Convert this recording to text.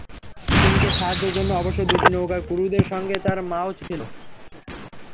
কিমকে সাহায্যের জন্য অবশ্য দুটি নৌকায় ক্রুদের সঙ্গে তাঁর মাও ছিলেন।